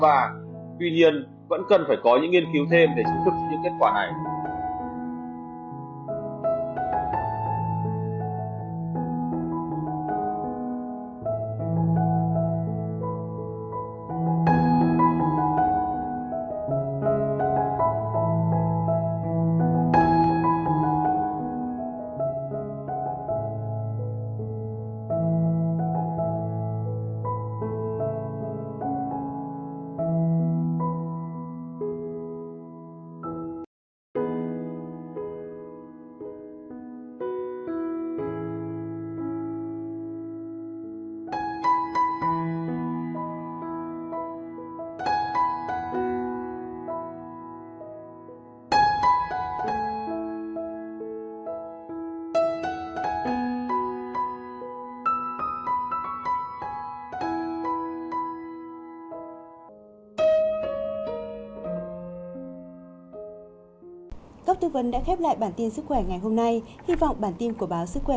tuy nhiên vẫn cần phải có những nghiên cứu thêm để chứng thức những kết quả này